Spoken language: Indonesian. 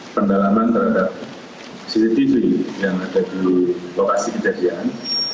pendalaman terhadap cctv yang ada di lokasi kejadian